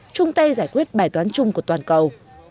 chung tay giải quyết bài toán chung của toàn cầu